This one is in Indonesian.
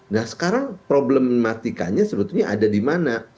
nah sekarang problematikanya sebetulnya ada di mana